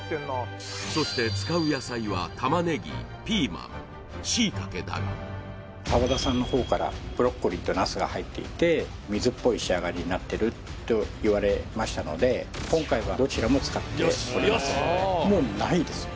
そして使う野菜は玉ねぎピーマン椎茸だが澤田さんの方からブロッコリーとナスが入っていて水っぽい仕上がりになってると言われましたので今回はどちらも使っておりませんもうないですね